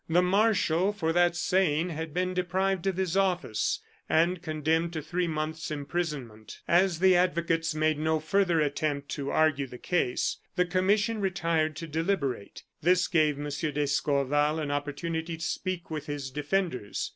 The marshal, for that saying, had been deprived of his office, and condemned to three months' imprisonment. As the advocates made no further attempt to argue the case, the commission retired to deliberate. This gave M. d'Escorval an opportunity to speak with his defenders.